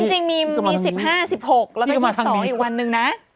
จริงมี๑๕๑๖แล้วก็๑๒อีกวันหนึ่งนะ